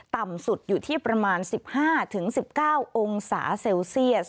ต่ำสุดอยู่ที่ประมาณ๑๕๑๙องศาเซลเซียส